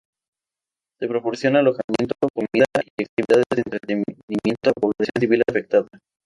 Se proporciona alojamiento, comida y actividades de entretenimiento a la población civil afectada.